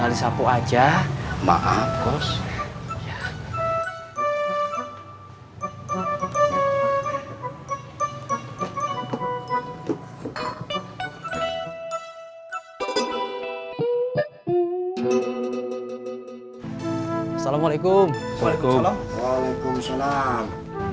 assalamualaikum waalaikumsalam waalaikumsalam